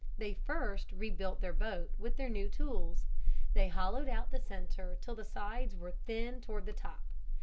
They first rebuilt their boat with their new tools. They hollowed out the center till the sides were thin toward the top.